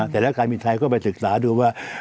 แต่แล้วการมีนไทยเข้าไปศึกษาดูว่า